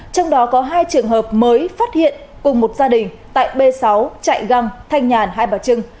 trong đó có hai trường hợp mới phát hiện cùng một gia đình tại b sáu chạy găng thanh nhàn hai bà trưng